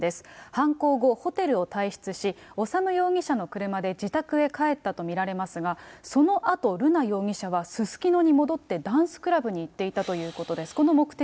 犯行後、ホテルを退室し、修容疑者の車で自宅へ帰ったと見られますが、そのあと、瑠奈容疑者はすすきのに戻って、ダンスクラブに行っていたということです。